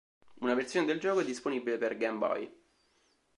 Una versione del gioco è disponibile per Game Boy.